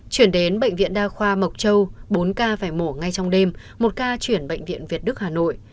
chuyển đến bệnh viện đa khoa mộc châu bốn ca phải mổ ngay trong đêm một ca chuyển bệnh viện việt đức hà nội